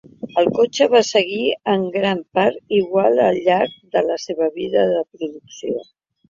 El cotxe va seguir en gran part igual al llarg de la seva vida de producció.